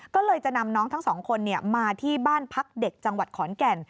ก็เลยจะนำน้องทั้งสองคนมาที่บ้านพักเด็กจังหวัดขอนแก่น